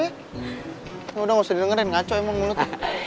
yaudah nggak usah didengerin ngaco emang lo tuh